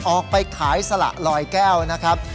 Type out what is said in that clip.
ออกไปขายสละลอยแก้วนะครับ